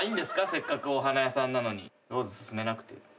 せっかくお花屋さんなのにローズすすめなくて。